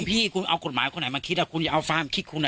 พี่คุณเอากฎหมายคนไหนมาคิดคุณอย่าเอาความคิดคุณ